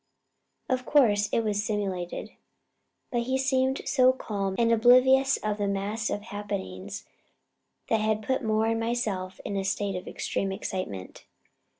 Of course it was simulated, but he seemed so calm and oblivious of the mass of happenings that had put Moore and myself in a state of extreme excitement.